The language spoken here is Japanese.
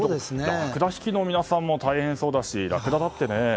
ラクダ引きの皆さんも大変そうだし、ラクダだってね。